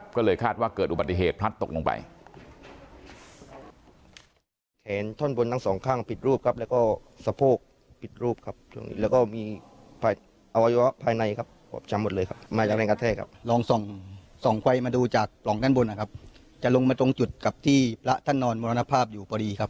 ก็เลยคาดว่าเกิดอุบัติเหตุพลัดตกลงไป